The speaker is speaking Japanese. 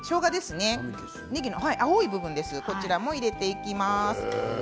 ねぎの青い部分を入れていきます。